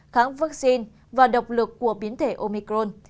kháng vaccine và độc lực của biến thể omicron